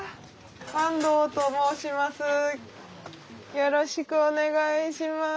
よろしくお願いします。